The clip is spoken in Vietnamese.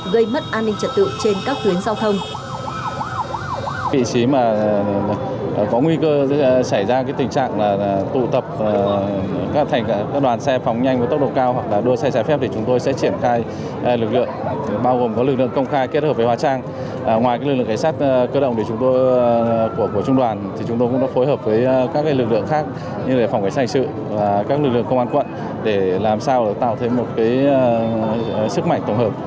gây mất an ninh trật tự trên các tuyến giao thông